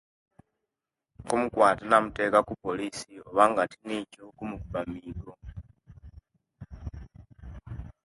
Kumukwatira muteka kupolisi obanga tinikyo, kumukuba miigo.